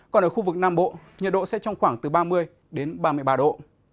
còn ở khu vực nam bộ nhiệt độ sẽ trong khoảng từ ba mươi đến ba mươi ba độ